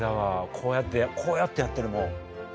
こうやってこうやってやってるもん。